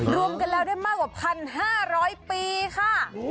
รวมกันแล้วได้มากกว่าพันห้าร้อยปีค่ะ